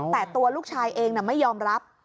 แต่ตัวลูกชายเองไม่ยอมรับ